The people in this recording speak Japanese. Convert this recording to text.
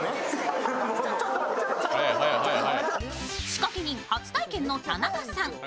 仕掛け人、初体験の田中さん。